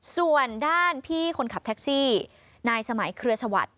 ส่วนด้านพี่คนขับแท็กซี่นายสมัยเครือสวัสดิ